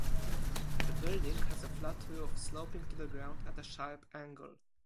The building has a flat roof sloping to the ground at a sharp angle.